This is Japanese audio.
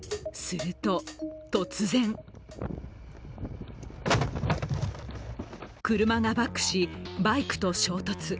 すると突然車がバックし、バイクと衝突。